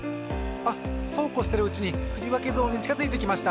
あっそうこうしてるうちにふりわけゾーンにちかづいてきました。